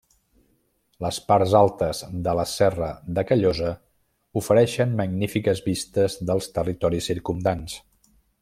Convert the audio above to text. Les parts altes de la Serra de Callosa ofereixen magnífiques vistes dels territoris circumdants.